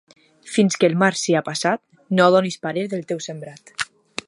Fins que el març sia passat, no donis parer del teu sembrat.